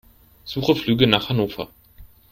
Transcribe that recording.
Suche Flüge nach Hannover.